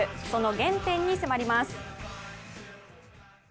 その原点に迫ります。